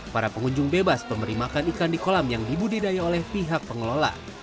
para pengunjung bebas memberi makan ikan di kolam yang dibudidaya oleh pihak pengelola